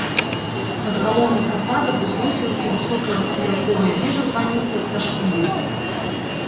Над галоўным фасадам узносілася высокая васьмерыковая вежа-званіца са шпілем.